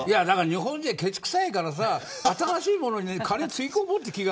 日本人は、けちくさいから新しいものに金をつぎ込もうという気が。